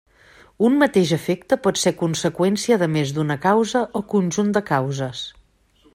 Un mateix efecte pot ser conseqüència de més d'una causa o conjunt de causes.